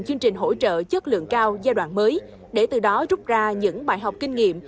chương trình hỗ trợ chất lượng cao giai đoạn mới để từ đó rút ra những bài học kinh nghiệm